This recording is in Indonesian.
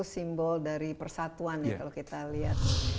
simbol dari persatuan ya kalau kita lihat